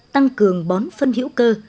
tăng cường bón phân hữu cơ